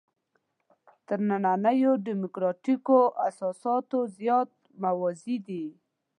تر نننیو دیموکراتیکو اساساتو زیات موازي دي.